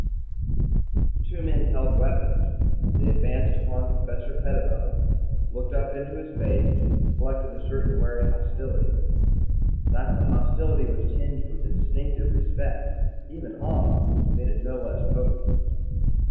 The two men held weapons. They advanced upon Professor Pettibone, looked up into his face, reflected a certain wary hostility. That the hostility was tinged with instinctive respect, even awe, made it no less potent.